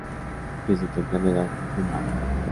Desde temprana edad fumaba.